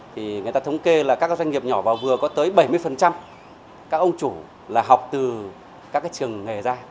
thì người ta thống kê là các doanh nghiệp nhỏ và vừa có tới bảy mươi các ông chủ là học từ các trường nghề ra